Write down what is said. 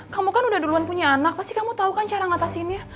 kamu kan udah duluan punya anak pasti kamu tahu kan cara ngatasinnya